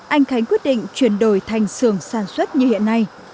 anh khánh quyết định chuyển đổi thành xưởng sản xuất như hiện nay